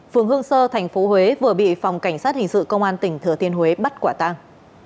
phường hương sơ tp huế vừa bị phòng cảnh sát hình sự công an tỉnh thừa thiên huế bắt quả tang